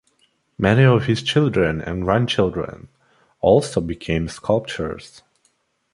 Many of his children and grandchildren also became sculptors.